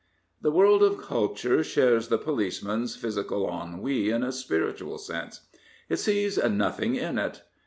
The world of culture shares the policeman's physical ennui in a spiritual sense. It sees " nothing in it."